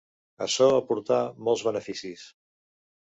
Açò aportà molts beneficis.